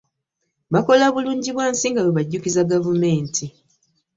Bakola bulungi bwa nsi nga bwe bajjukiza gavumenti.